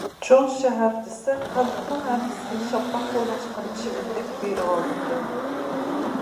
چوڭ شەھەر دېسە خەقنىڭ ھەممىسى شاپاققا ئولاشقان چىۋىندەك بېرىۋالىدىكەن.